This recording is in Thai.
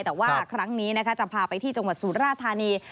แต่ว่าครั้งนี้นะคะจะพาไปที่จังหวัดสุราธานี